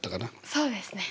そうですね